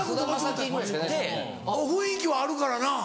雰囲気はあるからな。